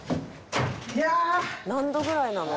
「何度ぐらいなの？